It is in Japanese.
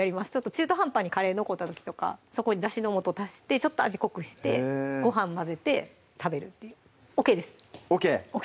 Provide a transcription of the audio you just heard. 中途半端にカレー残った時とかそこにだしの素足してちょっと味濃くしてご飯混ぜて食べるっていうＯＫですＯＫはい